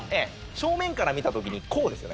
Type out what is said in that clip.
正面から見た時にこうですよね。